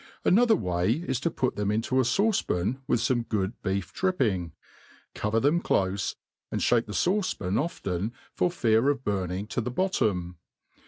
Another way is to put them into a fauce pan with fome good beef dripping, cover them clofe, and fiiake the faucp pan often for fear of burning to the bottom.